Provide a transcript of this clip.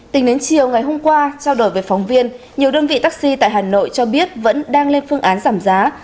tính đến chiều ngày hôm qua trao đổi với phóng viên nhiều đơn vị taxi tại hà nội cho biết vẫn đang lên phương án giảm giá